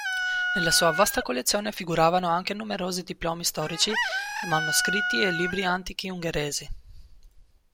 Nella sua vasta collezione figuravano anche numerosi diplomi storici, manoscritti e libri antichi ungheresi.